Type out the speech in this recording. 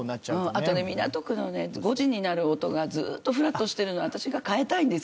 あと港区の５時に鳴る音がずっとフラットしているのがずっと私が変えたいんです。